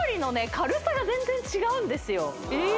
軽さが全然違うんですよええ